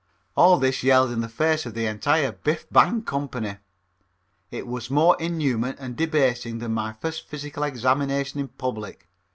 All this yelled in the faces of the entire Biff Bang company. It was more inhuman and debasing than my first physical examination in public.